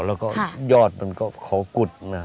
แล้วก็ยอดมันก็เขากุดนะ